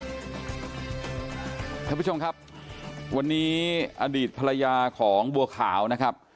ทุกสวัสดีครับคุณผู้ชมครับวันนี้อดีตภรรยาของบัวขาวนะครับ